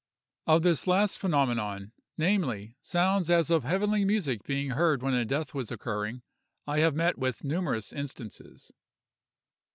Of this last phenomenon—namely, sounds as of heavenly music being heard when a death was occurring—I have met with numerous instances.